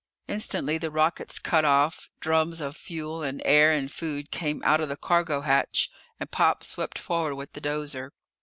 Instantly the rockets cut off, drums of fuel and air and food came out of the cargo hatch and Pop swept forward with the dozer.